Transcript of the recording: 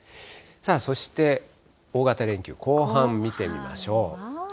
そして、大型連休後半見てみましょう。